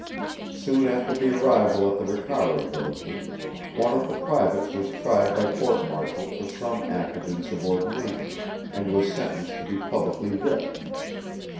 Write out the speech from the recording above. Soon after the arrival at the Ricara villages, one of the privates was tried by court martial for some act of insubordination, and was sentenced to be publicly whipped.